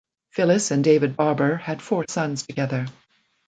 Phyllis and David Barber had four sons together.